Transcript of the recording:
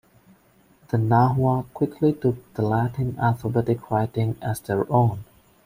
The Nahua quickly took the Latin alphabetic writing as their own.